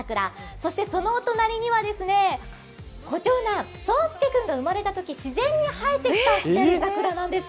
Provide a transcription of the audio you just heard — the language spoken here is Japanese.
そしてそのお隣にはご長男、そうすけ君が生まれたとき自然に生えてきたしだれ桜なんです。